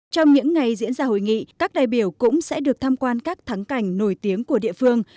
trong những ngày diễn ra hội nghị các đại biểu cũng sẽ được tham quan các thắng cảnh nổi tiếng của địa phương